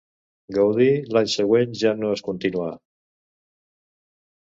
Gaudí l'any següent ja no es continuà.